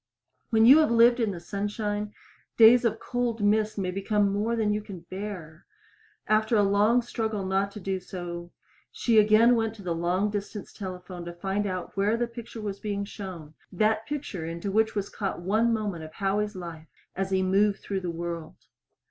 When you have lived in the sunshine, days of cold mist may become more than you can bear. After a long struggle not to do so, she again went to the long distance telephone to find out where that picture was being shown that picture into which was caught one moment of Howie's life as he moved through the world.